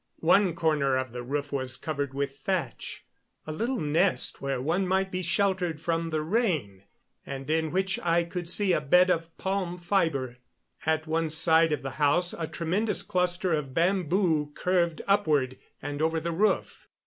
One corner of the roof was covered with thatch a little nest where one might be sheltered from the rain, and in which I could see a bed of palm fiber. At one side of the house a tremendous cluster of bamboo curved upward and over the roof.